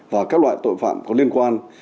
và các loại tội phạm có liên quan